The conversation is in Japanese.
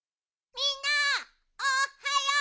みんなおっはよう！